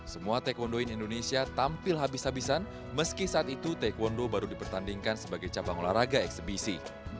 semua taekwondo indonesia tampil habis habisan meski saat itu taekwondo baru dipertandingkan sebagai cabang olahraga eksebisi